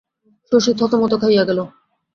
শশী থতমথত খাইয়া গেল।